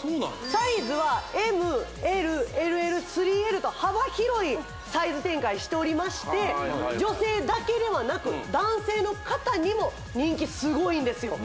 そうなのサイズはＭＬＬＬ３Ｌと幅広いサイズ展開しておりまして女性だけではなく男性の方にも人気すごいんですよ